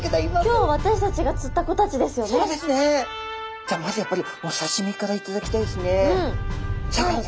じゃあまずやっぱりお刺身から頂きたいですね。